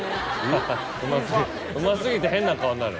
うま過ぎて変な顔になる？